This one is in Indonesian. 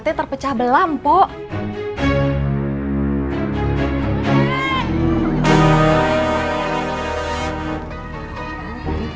iya mpo disopek semuanya